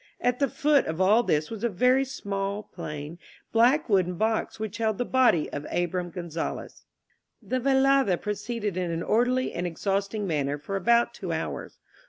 At the foot of all this was a v^y small, plain, black wooden box which held the body of Abram Gonzales. The velada proceeded in an orderly and exhausting manner for about two hours.